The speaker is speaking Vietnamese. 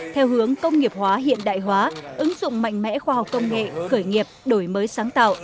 theo hướng công nghiệp hóa hiện đại hóa ứng dụng mạnh mẽ khoa học công nghệ khởi nghiệp đổi mới sáng tạo